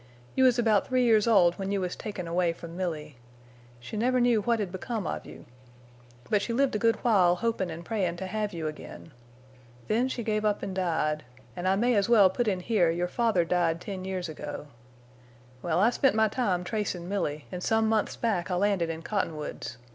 You was about three years old when you was taken away from Milly. She never knew what had become of you. But she lived a good while hopin' and prayin' to have you again. Then she gave up an' died. An' I may as well put in here your father died ten years ago. Well, I spent my time tracin' Milly, an' some months back I landed in Cottonwoods.